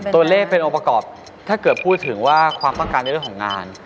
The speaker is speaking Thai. ตัวเลขเป็นองค์ประกอบถ้าเกิดพูดถึงว่าความต้องการในเรื่องของงาน